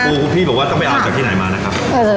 คุณพี่บอกว่าต้องไปเอาจากที่ไหนมานะครับ